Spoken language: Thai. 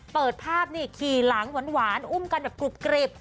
เปิดภาพนี่ขี่หลังหวานอุ้มกันแบบกรุบกริบ